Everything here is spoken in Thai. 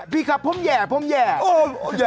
พี่ขับโธ่งแห่ฮือโอ้ย